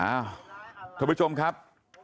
อ้าวคุณผู้ชมครับ